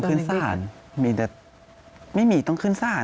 ก็คลิปออกมาแบบนี้เลยว่ามีอาวุธปืนแน่นอน